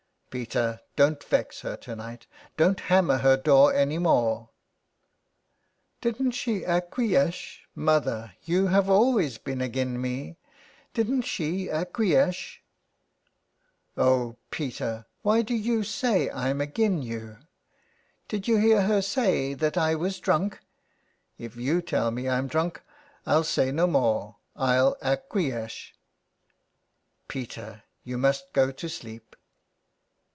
" Peter, don't vex her to night. Don't hammer her door any more." So SOME PARISHIONERS. " Didn't she acquie esh ? Mother, you have always been agin me. Didn't she acquie esh ?"'' Oh, Peter, why do you say I'm agin you? "'' Did you hear her say that I was drunk. If you tell me Pm drunk I'll say no more. I'll acquie esh." " Peter, you must go to sleep."